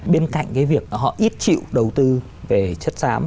bên cạnh cái việc họ ít chịu đầu tư về chất xám